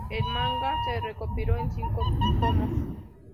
El manga se recopiló en cinco tomos.